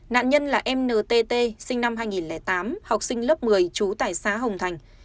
nạn nhân là em ntt sinh năm hai nghìn tám học sinh lớp một mươi trú tại xã hồng thành